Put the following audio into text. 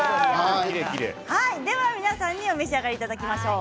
では皆さんにお召し上がりいただきましょう。